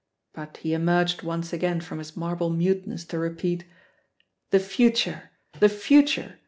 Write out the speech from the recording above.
But he emerged once again from his marble muteness to repeat, "The future, the future!